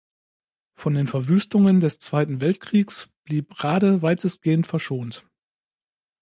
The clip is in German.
Von den Verwüstungen des Zweiten Weltkriegs blieb Rhade weitestgehend verschont.